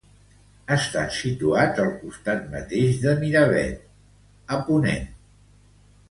Estan situats al costat mateix de Miravet, a ponent.